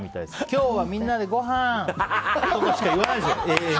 今日はみんなでご飯！ってことしか言わないですよ。